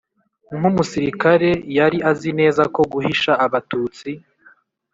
Nk umusirikare yari azi neza ko guhisha abatutsi